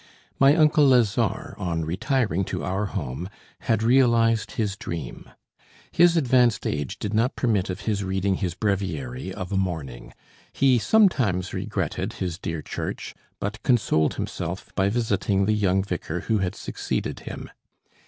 My uncle Lazare, on retiring to our home, had realised his dream; his advanced age did not permit of his reading his breviary of a morning; he sometimes regretted his dear church, but consoled himself by visiting the young vicar who had succeeded him.